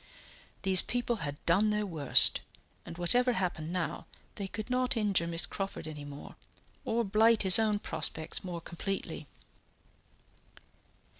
These people had done their worst, and whatever happened now, they could not injure Miss Crawford any more, or blight his own prospects more completely.